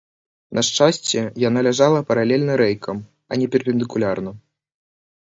На шчасце, яна ляжала паралельна рэйкам, а не перпендыкулярна.